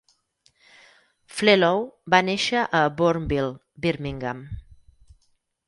Flello va néixer a Bournville, Birmingham.